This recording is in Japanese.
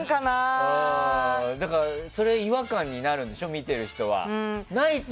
だから、違和感になるんでしょ見てる人は。